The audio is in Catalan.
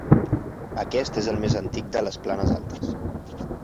Aquest és el més antic de les planes altes.